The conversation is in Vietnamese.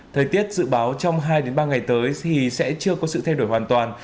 thời tiết dự báo trong hai ba ngày tới thì sẽ chưa có sự thay đổi hoàn toàn